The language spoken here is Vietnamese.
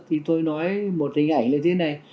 thì tôi nói một hình ảnh như thế này